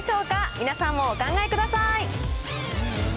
皆さんもお考え下さい。